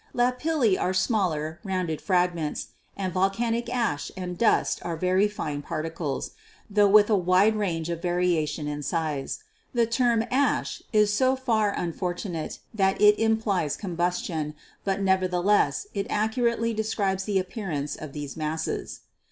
'Lapilli' are smaller, rounded fragments, and 'volcanic ash' and 'dust' are very fine particles, tho with a wide range of variation in size. The term 'ash' is so far unfortunate that it implies combustion, but never theless it accurately describes the appearance of these masses.